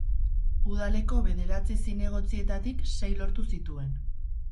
Udaleko bederatzi zinegotzietatik sei lortu zituen.